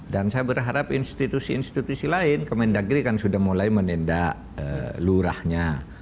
dan saya berharap institusi institusi lain kemendagri kan sudah mulai menindak lurahnya